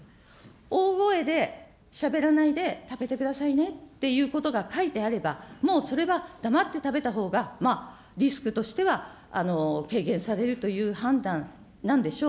大声でしゃべらないで食べてくださいねっていうことが書いてあれば、もうそれは黙って食べたほうが、リスクとしては軽減されるという判断なんでしょう。